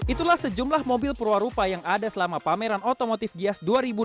itulah sejumlah mobil purwa rupa yang ada selama pameran otomotif gias dua ribu delapan belas